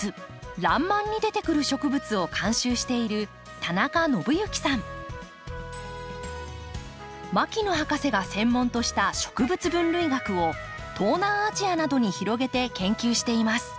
「らんまん」に出てくる植物を監修している牧野博士が専門とした植物分類学を東南アジアなどに広げて研究しています。